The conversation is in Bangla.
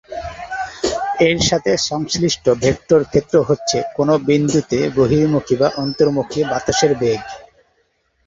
এর সাথে সংশ্লিষ্ট ভেক্টর ক্ষেত্র হচ্ছে কোন বিন্দুতে বহির্মুখী বা অন্তর্মুখী বাতাসের বেগ।